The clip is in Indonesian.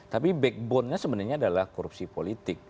tapi backbone nya sebenarnya adalah korupsi politik